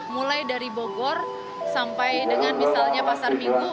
mulai dari bogor sampai dengan misalnya pasar minggu